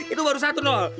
itu baru satu nol